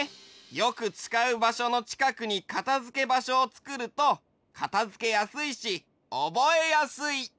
よくつかうばしょのちかくにかたづけばしょをつくるとかたづけやすいしおぼえやすい！